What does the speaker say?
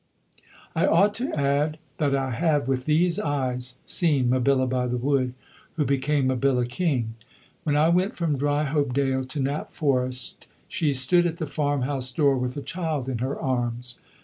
I ought to add that I have, with these eyes, seen Mabilla By the Wood who became Mabilla King. When I went from Dryhopedale to Knapp Forest she stood at the farmhouse door with a child in her arms.